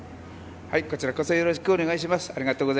はい、こちらこそよろしくお願いします。